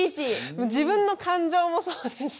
自分の感情もそうですし。